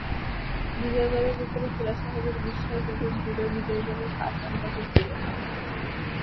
বিজয়গড়ের উপরে খুড়াসাহেবের বিশ্বাস যত দৃঢ়, বিজয়গড়ের পাষাণ তত দৃঢ় নহে।